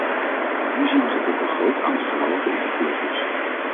Nu zien we dat ook een groot aantal vrouwen geïnfecteerd is.